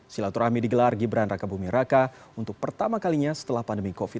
silaturahmi digelar gibran raka buming raka untuk pertama kalinya setelah pandemi covid sembilan belas